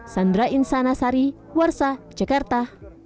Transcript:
sandra insana sari warsa jakarta